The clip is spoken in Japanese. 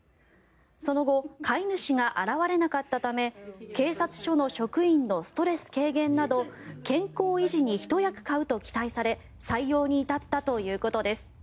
その後飼い主が現れなかったため警察署の職員のストレス軽減など健康維持にひと役買うと期待され採用に至ったということです。